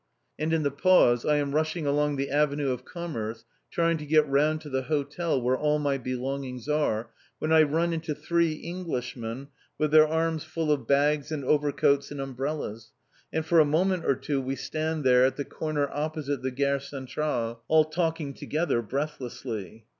And in the pause I am rushing along the Avenue de Commerce, trying to get round to the hotel where all my belongings are, when I run into three Englishmen with their arms full of bags, and overcoats, and umbrellas, and for a moment or two we stand there at the corner opposite the Gare Central all talking together breathlessly.